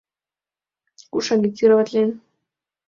Куш агитироватлен?